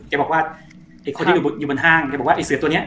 แกบอกว่าไอ้คนที่อยู่บนห้างแกบอกว่าไอ้เสือตัวนี้